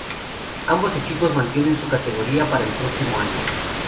Ambos equipos mantienen su categoría para el próximo año.